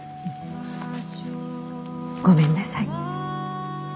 ごめんなさい。